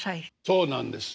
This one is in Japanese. そうなんです。